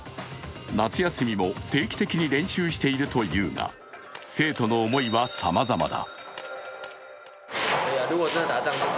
夏休みも定期的に練習しているというが生徒の思いはさまざまだ。